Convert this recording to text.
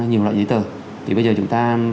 nhiều loại giấy tờ thì bây giờ chúng ta